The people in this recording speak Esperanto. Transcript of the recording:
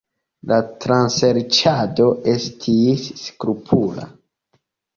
La traserĉado estis skrupula.